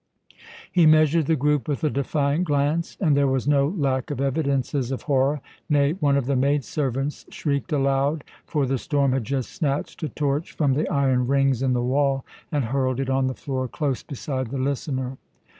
He measured the group with a defiant glance, and there was no lack of evidences of horror; nay, one of the maid servants shrieked aloud, for the storm had just snatched a torch from the iron rings in the wall and hurled it on the floor close beside the listener.